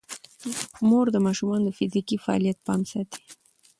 مور د ماشومانو د فزیکي فعالیت پام ساتي.